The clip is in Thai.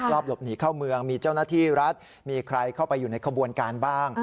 รอบหลบหนีเข้าเมืองมีเจ้าหน้าที่รัฐมีใครเข้าไปอยู่ในขบวนการบ้าง